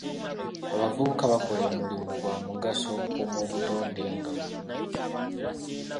Abavubuka bakola omulimu gwa mugaso okukuuma obutonde nga buyonjo.